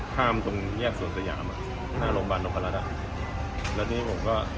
ข้ามตรงแยกสวนสยามอ่ะอืมหน้าโรงพยาบาลนกฤษอ่ะแล้วทีนี้ผมก็